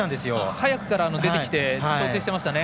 早くから出てきて調整していましたね。